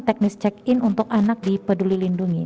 teknis check in untuk anak di peduli lindungi